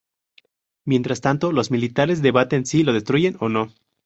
Mientras tanto, los militares debaten si los destruyen o no.